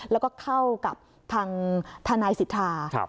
แล้วก็เข้ากับทางทนายสิทธา